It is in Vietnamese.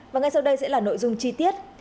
và ngay sau đây sẽ là nội dung chi tiết